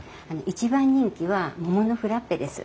一番人気は桃のフラッペです。